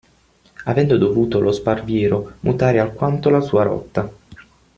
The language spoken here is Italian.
Avendo dovuto lo Sparviero mutare alquanto la sua rotta.